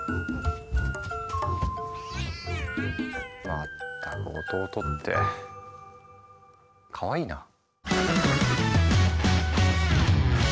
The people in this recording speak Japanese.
まったく弟ってかわいいなぁ。